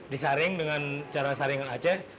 disaring dengan cara saringan aceh